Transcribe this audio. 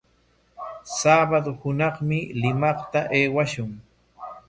Sabado hunaqmi Limaqta aywashun.